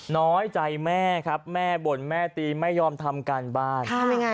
น้อยใจแม่ครับแม่บ่นแม่ตีไม่ยอมทำการบ้านทำยังไง